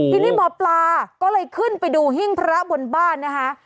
ทีนี้หมอปลาก็เลยขึ้นไปดูหิ้งพระบนบ้านนะคะ